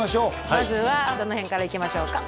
まずはどの辺からいきましょうか？